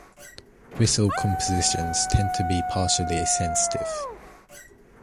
Whistle compositions tend to be particularly sensitive.